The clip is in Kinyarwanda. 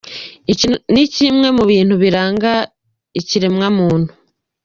Iki ni kimwe mu bintu biranga ikiremwamuntu.